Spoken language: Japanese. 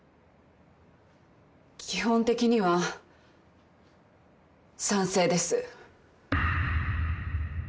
基本的には賛成です。